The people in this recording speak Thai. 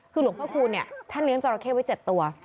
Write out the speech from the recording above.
คือหลวงพระคูณเนี่ยท่านเลี้ยงจราเคไว้๗ตัว